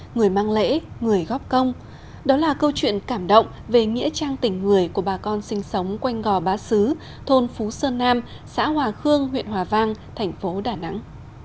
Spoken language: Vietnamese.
người mang lễ người góp công đó là câu chuyện cảm động về nghĩa trang tình người của bà con sinh sống quanh gò bá sứ thôn phú sơn nam xã hòa khương huyện hòa vang thành phố đà nẵng